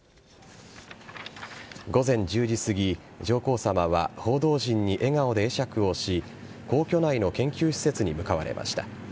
午前１０時過ぎ、上皇さまは報道陣に笑顔で会釈をし、皇居内の研究施設に向かわれました。